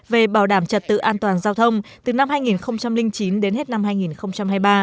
về bảo đảm trật tự an toàn giao thông từ năm hai nghìn chín đến hết năm hai nghìn hai mươi ba